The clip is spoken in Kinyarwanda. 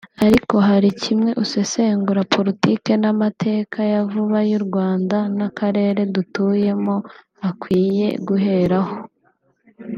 ariko hari kimwe usesengura politiki n’amateka ya vuba y’ u Rwanda n’aka karere dutuyemo akwiye guheraho